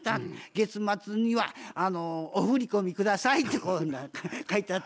月末にはお振り込み下さい」とこう書いてあったわけよ。